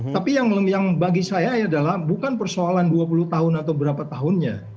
tapi yang bagi saya adalah bukan persoalan dua puluh tahun atau berapa tahunnya